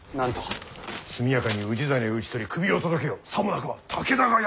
速やかに氏真を討ち取り首を届けよさもなくば武田がやると。